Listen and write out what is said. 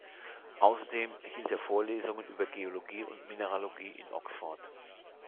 Außerdem hielt er Vorlesungen über Geologie und Mineralogie in Oxford.